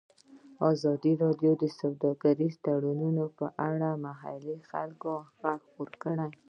ازادي راډیو د سوداګریز تړونونه په اړه د محلي خلکو غږ خپور کړی.